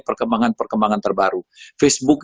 perkembangan perkembangan terbaru facebook